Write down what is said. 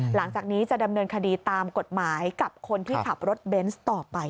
หลังจากนี้จะดำเนินคดีตามกฎหมายกับคนที่ขับรถเบนส์ต่อไป